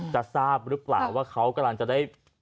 จะทราบหรือเปล่าว่าเขากำลังจะได้